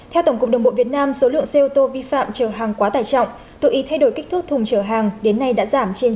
theo tổng cục đồng bộ việt nam số lượng xe ô tô vi phạm chở hàng quá tài trọng tự ý thay đổi kích thước thùng trở hàng đến nay đã giảm trên chín mươi